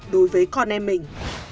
đối với con em mình